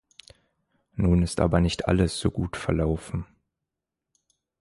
Nun ist aber nicht alles so gut verlaufen.